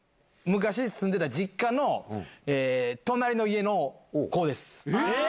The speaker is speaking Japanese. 昔、住んでた実家の隣の家の子です。